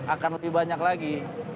akan lebih banyak lagi